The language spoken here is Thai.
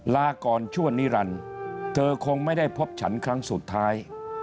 ลาก่อนชั่วนิรันดิ์เธอคงไม่ได้พบฉันครั้งสุดท้าย